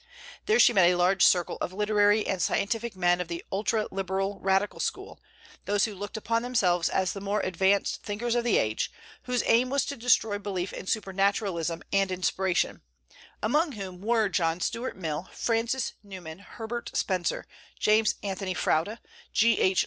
There she met a large circle of literary and scientific men of the ultra liberal, radical school, those who looked upon themselves as the more advanced thinkers of the age, whose aim was to destroy belief in supernaturalism and inspiration; among whom were John Stuart Mill, Francis Newman, Herbert Spencer, James Anthony Froude, G.H.